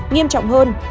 nghiêm trọng hơn